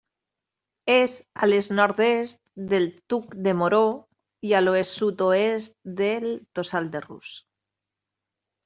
És a l'est-nord-est del Tuc de Moró i a l'oest-sud-oest del Tossal de Rus.